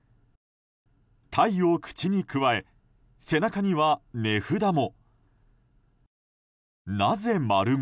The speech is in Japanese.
タイを口にくわえ背中には値札も。